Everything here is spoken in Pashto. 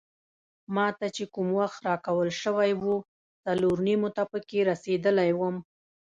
ما ته چې کوم وخت راکول شوی وو څلور نیمو ته پکې رسیدلی وم.